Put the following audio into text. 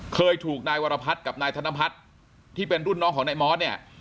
เคยถูกนายวรพัฒน์กับนายธนพัฒน์ที่เป็นรุ่นน้องของนายมอสเนี่ย